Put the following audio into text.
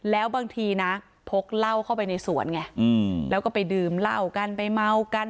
แล้วบางทีนะพกเหล้าเข้าไปในสวนไงแล้วก็ไปดื่มเหล้ากันไปเมากัน